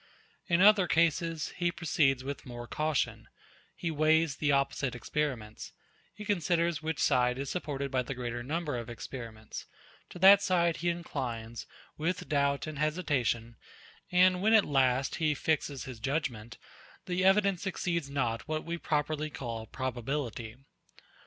In other cases, he proceeds with more caution: He weighs the opposite experiments: He considers which side is supported by the greater number of experiments: to that side he inclines, with doubt and hesitation; and when at last he fixes his judgement, the evidence exceeds not what we properly call probability.